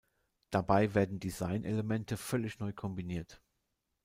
Dabei werden Designelemente völlig neu kombiniert.